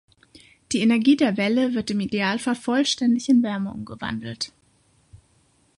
Die Energie der Welle wird im Idealfall vollständig in Wärme umgewandelt.